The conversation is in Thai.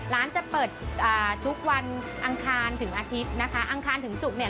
จะเปิดอ่าทุกวันอังคารถึงอาทิตย์นะคะอังคารถึงศุกร์เนี่ย